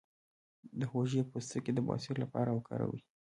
د هوږې پوستکی د بواسیر لپاره وکاروئ